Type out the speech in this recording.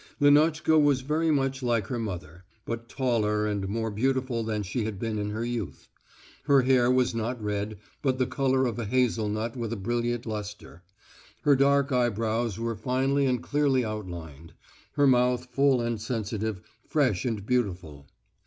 Lenotchka was very much like her mother, but taller and more beautiful than she had been in her youth. Her hair was not red, but the colour of a hazel nut with a brilliant lustre; her dark eyebrows were finely and clearly outlined; her mouth full and sensitive, fresh and beautiful.